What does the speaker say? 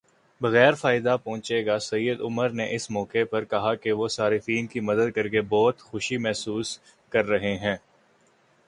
بغیر فائدہ پہنچے گا سید عمر نے اس موقع پر کہا کہ وہ صارفین کی مدد کرکے بہت خوشی محسوس کر رہے ہیں